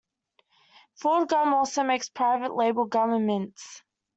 Ford Gum also makes private label gum and mints.